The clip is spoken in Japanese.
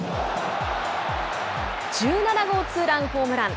１７号ツーランホームラン。